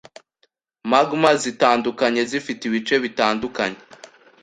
Magma zitandukanye zifite ibice bitandukanye